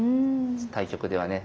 対局ではね